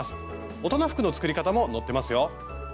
大人服の作り方も載ってますよ。